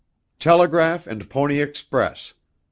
Telegraph and Pony Express.